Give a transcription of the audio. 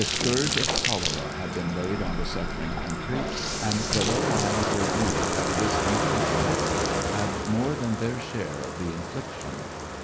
The scourge of cholera had been laid on the suffering country, and the low lying purlieus of this ancient borough had more than their share of the infliction.